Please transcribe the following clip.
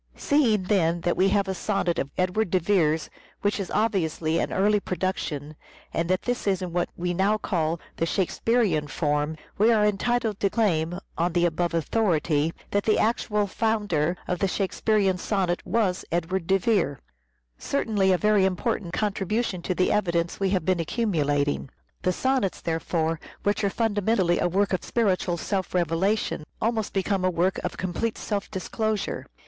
Seeing, then, that we have a sonnet of Edward de Vere's which is obviously an early production, and that this is in what we now call the Shakespearean form, we are entitled to claim, on the above authority, that the actual founder of the Shakespearean sonnet was Edward de Vere : certainly a very important contribution to the evidence we have been accumulat ing. The Sonnets, therefore, which are fundamentally a work of spiritual self revelation, almost become a work of complete self disclosure.